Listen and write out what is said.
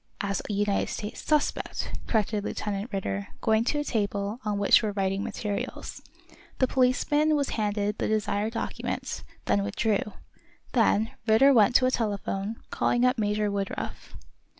"As a United States suspect," corrected Lieutenant Ridder, going to a table on which were writing materials. The policeman was handed the desired document, then withdrew. Then Ridder went to a telephone, calling up Major Woodruff.